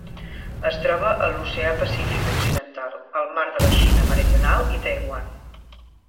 Es troba a l'Oceà Pacífic occidental: el Mar de la Xina Meridional i Taiwan.